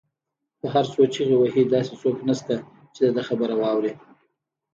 که هر څو چیغې وهي داسې څوک نشته، چې د ده خبره واوري